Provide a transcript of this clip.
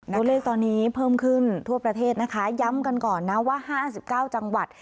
ตัวเลขตอนนี้เพิ่มขึ้นทั่วประเทศนะคะย้ำกันก่อนนะว่า๕๙จังหวัด